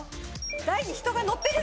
台に人が乗ってる！